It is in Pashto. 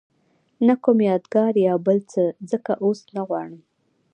نه کوم یادګار یا بل څه ځکه اوس نه غواړم.